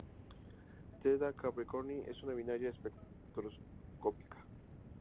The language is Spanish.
Theta Capricorni es una binaria espectroscópica.